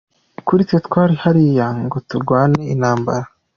Kuri twe twari hariya ngo turwane intambara.